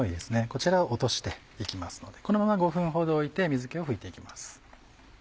こちらを落として行きますのでこのまま５分ほど置いて水気を拭いて行きます。